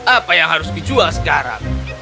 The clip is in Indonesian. apa yang harus dijual sekarang